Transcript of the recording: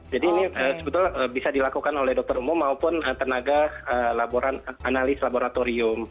jadi ini sebetulnya bisa dilakukan oleh dokter umum maupun tenaga analis laboratorium